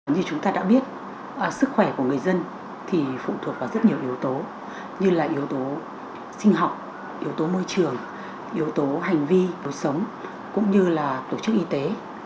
như chúng ta đã biết sức khỏe của người dân thì phụ thuộc vào rất nhiều yếu tố như là yếu tố sinh học yếu tố môi trường yếu tố hành vi cuộc sống cũng như là tổ chức y tế